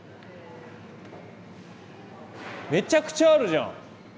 めちゃくちゃあるじゃん！